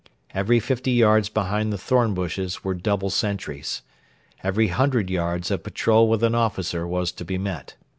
Every fifty yards behind the thorn bushes were double sentries. Every hundred yards a patrol with an officer was to be met.